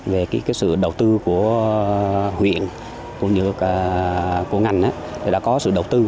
về cái sự đầu tư của huyện của ngành đã có sự đầu tư